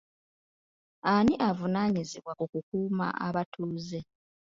Ani avunaanyizibwa ku kukuuma abatuuze?